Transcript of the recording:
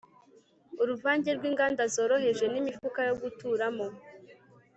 uruvange rw'inganda zoroheje n'imifuka yo guturamo